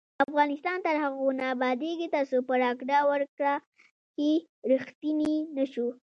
افغانستان تر هغو نه ابادیږي، ترڅو په راکړه ورکړه کې ریښتیني نشو.